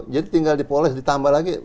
jadi tinggal dipoles ditambah lagi